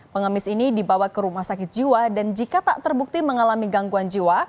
pengemis ini dibawa ke rumah sakit jiwa dan jika tak terbukti mengalami gangguan jiwa